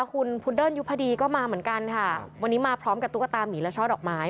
คุณพุดเดิ้นยุพดีก็มาเหมือนกันค่ะวันนี้มาพร้อมกับตุ๊กตามีและช่อดอกไม้